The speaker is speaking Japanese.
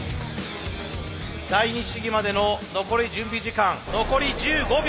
第二試技までの残り準備時間残り１５秒。